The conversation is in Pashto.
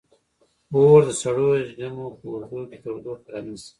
• اور د سړو ژمو په اوږدو کې تودوخه رامنځته کړه.